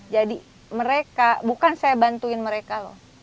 jadi mereka bukan saya bantuin mereka loh